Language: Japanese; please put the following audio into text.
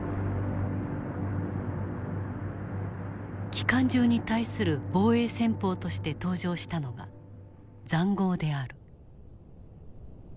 機関銃に対する防衛戦法として登場したのが塹壕である。